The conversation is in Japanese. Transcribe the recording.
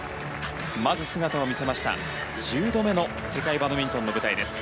まず姿を見せました１０度目の世界バドミントンの舞台です。